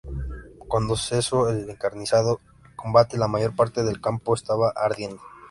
Cuando cesó el encarnizado combate la mayor parte del campo estaba ardiendo.